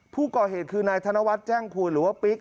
ผู้ก่อเหตุคือนายธนวัฒน์แจ้งภูลหรือว่าปิ๊ก